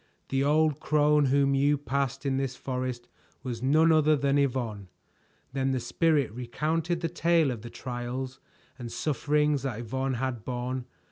The old crone whom you passed in this forest was none other than Yvonne." Then the Spirit recounted the tale of the trials and sufferings that Yvonne had borne.